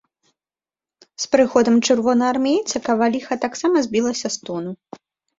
З прыходам чырвонаармейца каваліха таксама збілася з тону.